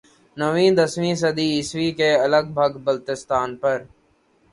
نویں دسویں صدی عیسوی کے لگ بھگ بلتستان پر